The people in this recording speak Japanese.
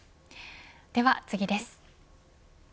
では次です。